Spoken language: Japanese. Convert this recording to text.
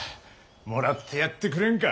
もらってやってくれんか。